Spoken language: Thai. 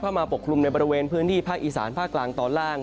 มาปกคลุมในบริเวณพื้นที่ภาคอีสานภาคกลางตอนล่าง